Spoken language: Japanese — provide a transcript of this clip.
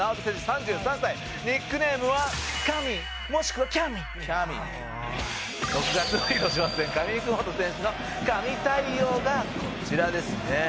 ３３歳」「ニックネームは“カミ”もしくは“キャミ”」「キャミ」「６月の広島戦上福元選手のカミ対応がこちらですね」